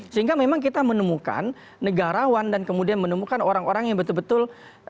sehingga memang kita menemukan negarawan dan kemudian menemukan orang orang yang betul betul